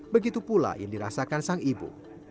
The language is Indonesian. begitu pula yang dirasakan sang ibu